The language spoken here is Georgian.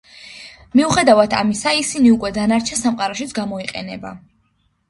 მიუხედავად ამისა, ისინი უკვე დანარჩენ სამყაროშიც გამოიყენება.